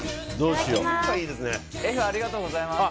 Ｆ、ありがとうございます。